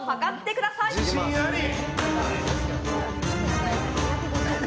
自信あり！